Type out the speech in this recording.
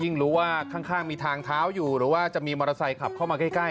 รู้ว่าข้างมีทางเท้าอยู่หรือว่าจะมีมอเตอร์ไซค์ขับเข้ามาใกล้